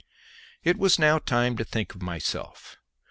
It was now time to think of myself.